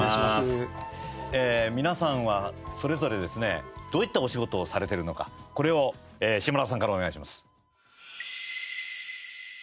皆さんはそれぞれですねどういったお仕事をされてるのかこれを島田さんからお願いします。